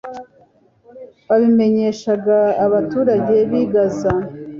babimenyesha abaturage b'i gaza